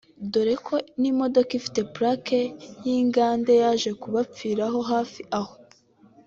dore ko n’imodoka ifite ’plaque’ y’ingande yaje kubapfiraho hafi aho